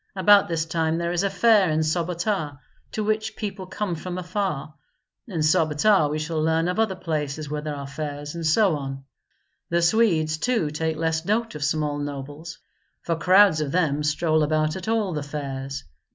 About this time there is a fair in Sobota, to which people come from afar. In Sobota we shall learn of other places where there are fairs, and so on. The Swedes too take less note of small nobles, for crowds of them stroll about at all the fairs.